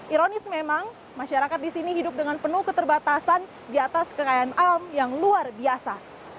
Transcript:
ironis memang masyarakat di sini hidup dengan penuh keterbatasan di atas kekayaan alam yang luar biasa